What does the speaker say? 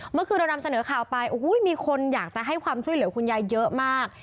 เมื่อคืนเรานำเสนอข่าวไปโอ้โหมีคนอยากจะให้ความช่วยเหลือคุณยายเยอะมาก